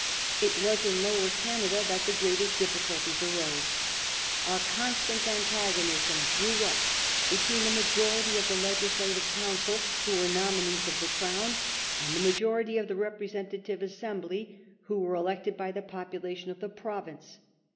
It was in Lower Canada that the greatest difficulties arose. A constant antagonism grew up between the majority of the legislative council, who were nominees of the Crown, and the majority of the representative as sembly, who were elected by the population of the province.